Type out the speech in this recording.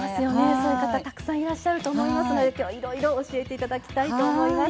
そういう方たくさんいらっしゃると思いますので今日いろいろ教えていただきたいと思います。